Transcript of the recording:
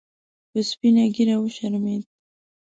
په سپینه ګیره وشرمید